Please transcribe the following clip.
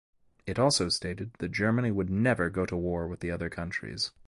It also stated that Germany would never go to war with the other countries.